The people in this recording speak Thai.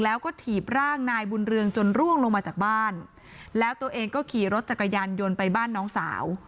แล้วก็ถีบร่างนายบุญเรืองจนร่วงลงมาจากบ้านแล้วตัวเองก็ขี่รถจักรยานยนต์ไปบ้านน้องสาว